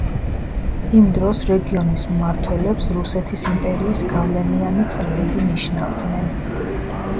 იმ დროს რეგიონის მმართველებს რუსეთის იმპერიის გავლენიანი წრეები ნიშნავდნენ.